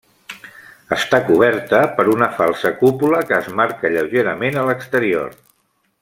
Està coberta per una falsa cúpula que es marca lleugerament a l'exterior.